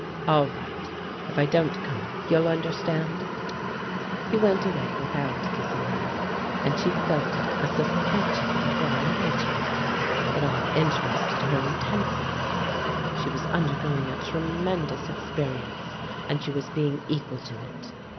"All right. If I don't come, you'll understand?" He went away without kissing her, and she felt it a suspension of their engagement. It all interested her intensely; she was undergoing a tremendous experience, and she was being equal to it.